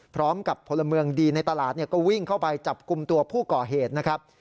พร้อมกับพลเมืองดีในตลาดก็วิ่งเข้าไปจับกลุ่มตัวผู้ก่อเหตุนะครับ